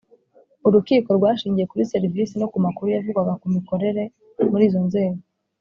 Urukiko rwashingiye kuri serivisi no ku makuru yavugwaga ku mikorere muri izo nzego